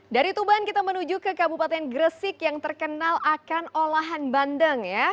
dari tuban kita menuju ke kabupaten gresik yang terkenal akan olahan bandeng ya